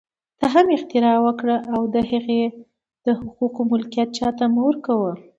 ته هم اختراع وکړه او د هغې د حقوقو ملکیت چا ته مه ورکوه